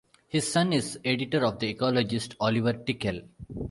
His son is editor of the Ecologist, Oliver Tickell.